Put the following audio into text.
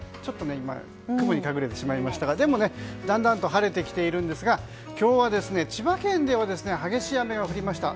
今、雲に隠れてしまいましたがでも、だんだんと晴れてきているんですが今日は千葉県では激しい雨が降りました。